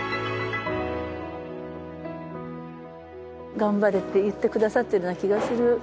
「頑張れ」って言ってくださってるような気がする。